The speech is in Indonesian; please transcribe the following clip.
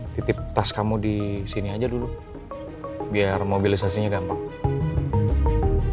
titip tas kamu disini aja dulu biar mobilisasinya unlocked